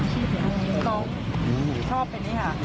ใช่ฝันว่าน้องจะเรียนจบแล้วบอก